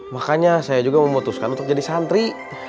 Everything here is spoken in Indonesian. makanya saya juga memutuskan untuk jadi santri